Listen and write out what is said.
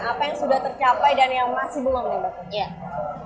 apa yang sudah tercapai dan yang masih belum nih mbak